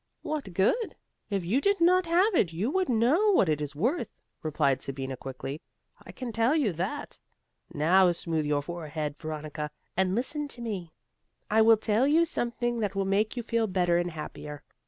"What good? if you did not have it you would know what it is worth," replied Sabina, quickly. "I can tell you that. Now smooth your forehead, Veronica, and listen to me. I will tell you something that will make you feel better and happier.